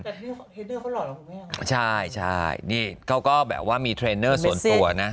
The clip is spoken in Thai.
ไอ้เทรนเนอร์เขาหรอหรือไม่อยากใช่ใช่นี่เขาก็แบบว่ามีเทรนเนอร์ส่วนตัวนะ